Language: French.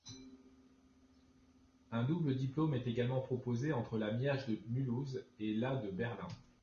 Un double-diplôme est également proposé entre la Miage de Mulhouse et la de Berlin.